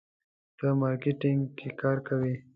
ته مارکیټینګ کې کار کوې.